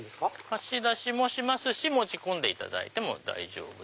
貸し出しもしますし持ち込んでいただいても大丈夫。